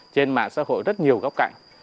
trên mạng xã hội rất nhiều góc cạnh